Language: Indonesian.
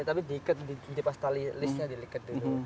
tapi diikat diikat pas tali listnya diikat dulu